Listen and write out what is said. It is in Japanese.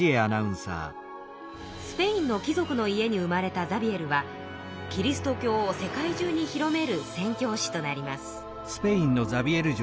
スペインの貴族の家に生まれたザビエルはキリスト教を世界中に広める宣教師となります。